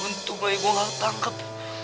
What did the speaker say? untung aja gue gak ketangkep